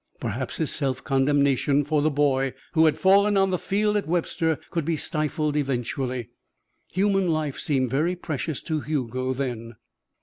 Perhaps his self condemnation for the boy who had fallen on the field at Webster could be stifled eventually. Human life seemed very precious to Hugo then.